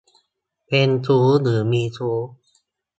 เป็นชู้หรือมีชู้